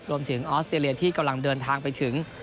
ออสเตรเลียที่กำลังเดินทางไปถึง